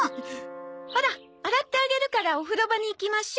ほら洗ってあげるからお風呂場に行きましょ。